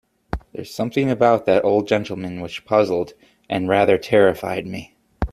There was something about the old gentleman which puzzled and rather terrified me.